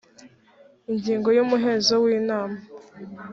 ingingo ya umuhezo w inama